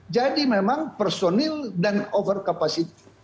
jadi memang personil dan over capacity